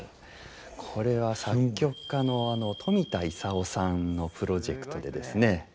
これは作曲家の冨田勲さんのプロジェクトでですね